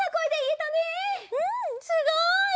うんすごい！